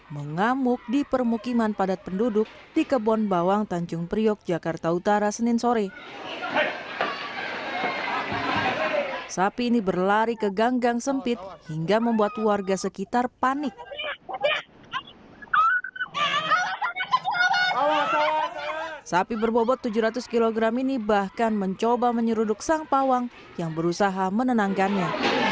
sapi berbobot tujuh ratus kilogram ini bahkan mencoba menyeruduk sang pawang yang berusaha menenangkannya